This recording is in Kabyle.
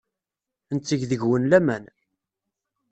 Netteg deg-wen laman.